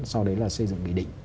sau đấy là xây dựng nghị định